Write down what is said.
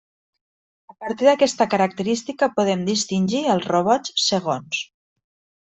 A partir d'aquesta característica podem distingir els robots segons.